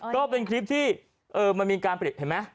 ก็เป็นคลิปที่มันมีการผลิตเห็นไหม